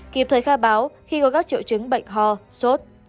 kịp thời khai báo khi có các triệu chứng bệnh ho sốt